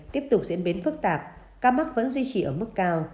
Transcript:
tiếp tục diễn biến phức tạp ca mắc vẫn duy trì ở mức cao